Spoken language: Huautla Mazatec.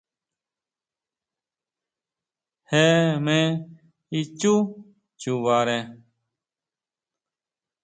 Jee me ichú chubare.